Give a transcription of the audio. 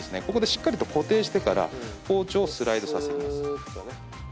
ここでしっかりと固定してから包丁をスライドさせていきます。